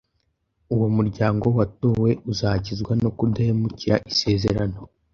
Uwo muryango watowe uzakizwa no kudahemukira Isezerano,